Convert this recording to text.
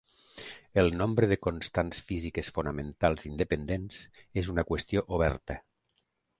El nombre de constants físiques fonamentals independents és una qüestió oberta.